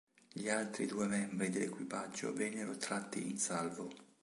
Gli altri due membri dell'equipaggio vennero tratti in salvo.